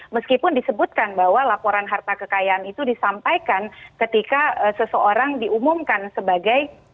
meskipun disebutkan bahwa laporan harta kekayaan itu disampaikan ketika seseorang diumumkan sebagai